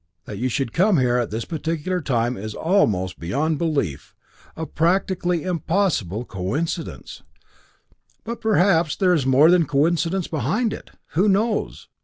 That you should come here at this particular time is almost beyond belief a practically impossible coincidence but perhaps there is more than coincidence behind it? Who knows?"